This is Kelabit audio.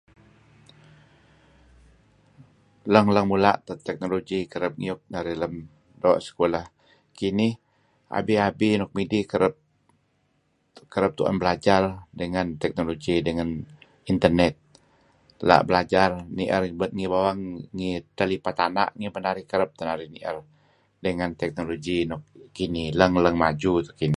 Lang-lang mula' teh technology kereb ngiyuk narih lem doo sekulah. Kinih abi-abi nuk midih kereb tu'en belajar dengen technology, ngen internet. La' belajar ni'er ngi edtah lipa tana' ngih peh narih kereb teh narih ni'er dengen technolgy nuk kinih, lang-lang maju teh kinih.